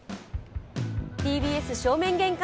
ＴＢＳ正面玄関